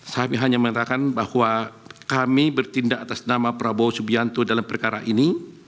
kami hanya mengatakan bahwa kami bertindak atas nama prabowo subianto dalam perkara ini